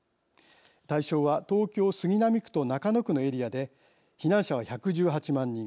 対象は、東京・杉並区と中野区のエリアで避難者は１１８万人。